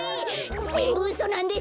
ぜんぶうそなんです！